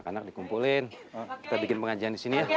kita tidak bisa diam saja